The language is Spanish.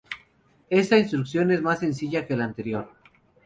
Esta instrucción es más sencilla que la anterior.